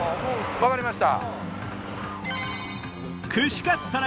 分かりました。